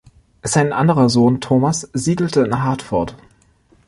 Sein anderer Sohn, Thomas, siedelte in Hartford.